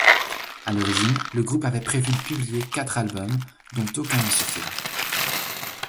À l'origine, le groupe avait prévu de publier quatre albums, dont aucun ne sortira.